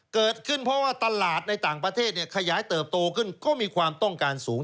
เกิดขึ้นเพราะว่าตลาดในต่างประเทศขยายเติบโตขึ้นก็มีความต้องการสูง